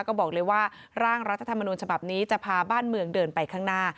ก็บอกเลยว่าร่างรัฐธรรมนูญฉบับนี้จะพาบ้านเมืองเดินไปข้างหน้า